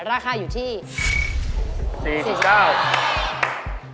ราคาอยู่ที่๔๙บาท